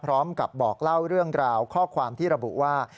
พร้อมกับบอกเล่าเรื่องราวข้อความที่ระบุว่า